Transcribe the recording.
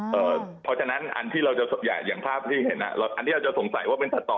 เพราะฉะนั้นอันที่เราจะส่วนใหญ่อย่างภาพที่เห็นอันนี้เราจะสงสัยว่าเป็นสัตว์ต่อ